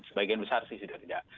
sebagian besar sih sudah tidak